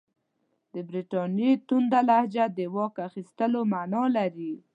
د برټانیې تونده لهجه د واک اخیستلو معنی لري.